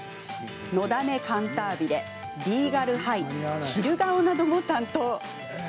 「のだめカンタービレ」「リーガルハイ」「昼顔」なども担当。